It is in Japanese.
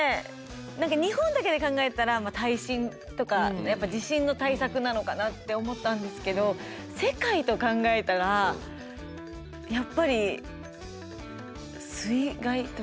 何か日本だけで考えたら耐震とか地震の対策なのかなって思ったんですけど世界と考えたらやっぱり水害とか？